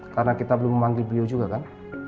karena kita belum memanggil beliau juga kan